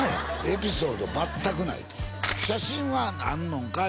エピソード全くないと写真はあんのんか？